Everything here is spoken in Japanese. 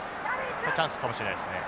これチャンスかもしれないですね。